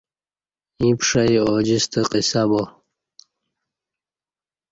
ییں پشئ اوجستہ قصہ با